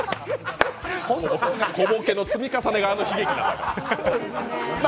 小ボケの積み重ねがあの悲劇だから。